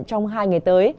trong hai ngày tới